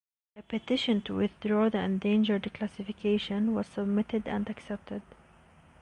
A petition to withdraw the endangered classification was submitted and accepted.